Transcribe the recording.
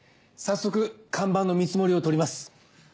早速看板の見積もりをとります。